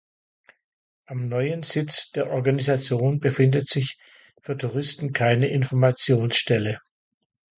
Am neuen Sitz der Organisation befindet sich für Touristen keine Informationsstelle.